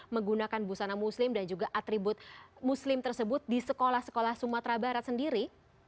menggunakan busana muslim dan juga atribut muslim tersebut di sekolah sekolah sumatera barat sendiri